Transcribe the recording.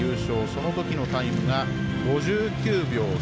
そのときのタイムが５９秒３０。